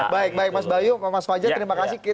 baik baik mas bayu mas fajar terima kasih